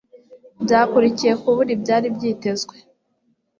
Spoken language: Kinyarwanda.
byakurikiye kubura ibyari byitezwe